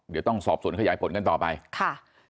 เดี๋ยวต้องสอบสวนขยายผลกันต่อไปค่ะ